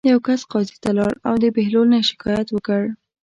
یوه کس قاضي ته لاړ او د بهلول نه یې شکایت وکړ.